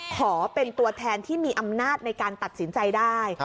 ขอเป็นตัวแทนที่มีอำนาจในการตัดสินใจได้